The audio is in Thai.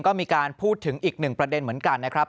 ก็มีการพูดถึงอีกหนึ่งประเด็นเหมือนกันนะครับ